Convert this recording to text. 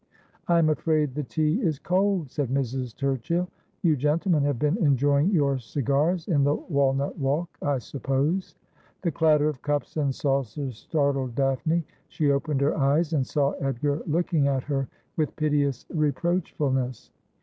' I am afraid the tea is cold,' said Mrs. Turchill. ' You gentlemen have been enjoying your cigars in the walnut walk, I suppose.' The clatter of cups and saucers startled Daphne. She opened her eyes, and saw Edgar looking at her with piteous reproachfulness.